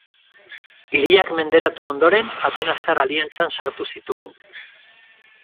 Hiriak menderatu ondoren atenastar aliantzan sartu zituen.